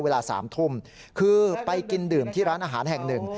เวลา๓ทุ่มคือไปกินดื่มที่ร้านอาหารแห่งหนึ่ง